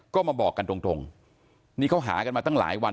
ก็มาบอกกันตรงตรงนี่เขาหากันมาตั้งหลายวัน